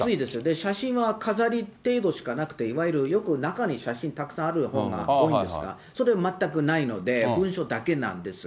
写真は飾り程度しかなくって、いわゆるよく中に写真たくさんある本が多いんですが、それも全くないので、文章だけなんですが。